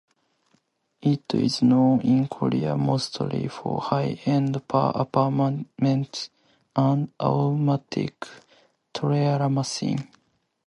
It is known in Korea mostly for high-end apartments and automatic teller machines.